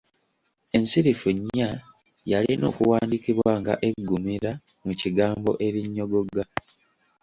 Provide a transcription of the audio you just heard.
Ensirifu ‘ny’ yalina okuwandiikibwa nga eggumira mu kigambo ‘ebinyogoga’